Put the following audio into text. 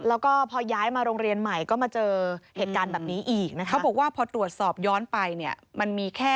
แล้วก็พอย้ายมาโรงเรียนใหม่ก็มาเจอเหตุการณ์แบบนี้อีก